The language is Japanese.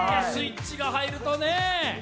スイッチが入るとね。